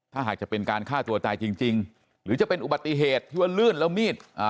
ถ้าหากจะเป็นการฆ่าตัวตายจริงจริงหรือจะเป็นอุบัติเหตุที่ว่าลื่นแล้วมีดอ่า